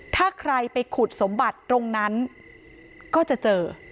ถ้าใครไปขุดสมบัติตรงนั้นก็จะเจอ